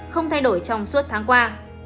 không thay đổi trong suốt tháng qua